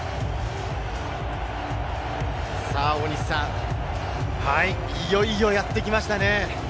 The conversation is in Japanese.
大西さん、いよいよやってきましたね。